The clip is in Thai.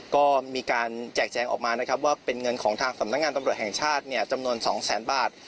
ก็มีการแจกแจงออกมานะครับว่าเป็นเงินของทางสำนักงานตำรวจแห่งชาติจำนวน๒แสนบาท